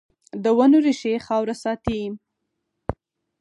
د ونو ریښې خاوره ساتي